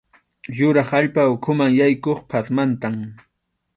Yurap allpa ukhuman yaykuq phatmantam.